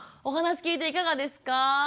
お話聞いていかがですか？